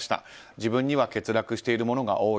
自分には欠落しているものが多い。